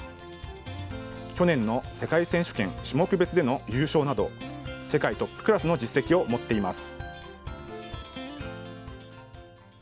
去年の世界選手権種目別での優勝など、世界トップクラスの実績を持っています。